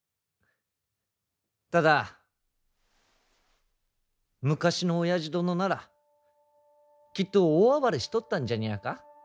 ただ昔のオヤジ殿ならきっと大暴れしとったんじゃにゃあか？